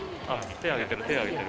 手を上げてる、手を上げてる。